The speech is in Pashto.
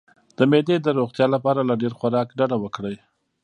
د معدې د روغتیا لپاره له ډیر خوراک ډډه وکړئ